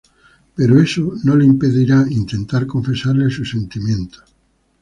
Pero eso no le impedirá intentar confesarle sus sentimientos.